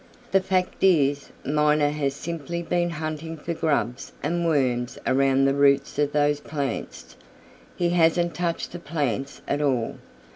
The fact is Miner has simply been hunting for grubs and worms around the roots of those plants. He hasn't touched the plants at all.